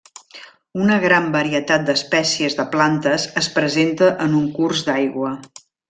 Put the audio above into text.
Una gran varietat d'espècies de plantes es presenta en un curs d'aigua.